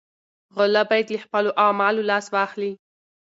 غله باید له خپلو اعمالو لاس واخلي.